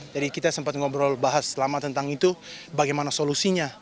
jadi kita sempat ngobrol bahas selama tentang itu bagaimana solusinya